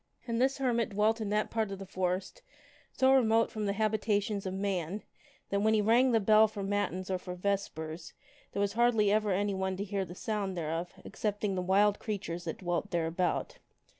And this hermit dwelt in that part of the forest so remote from the habitations of man that when he rang the bell for matins or for vespers, there was hardly ever anyone to hear the sound thereof excepting the wild creatures that dwelt thereabout.